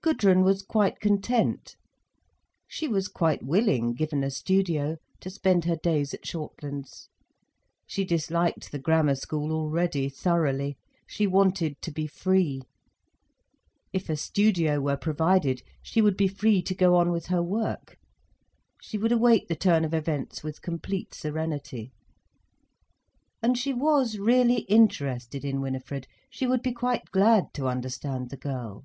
Gudrun was quite content. She was quite willing, given a studio, to spend her days at Shortlands. She disliked the Grammar School already thoroughly, she wanted to be free. If a studio were provided, she would be free to go on with her work, she would await the turn of events with complete serenity. And she was really interested in Winifred, she would be quite glad to understand the girl.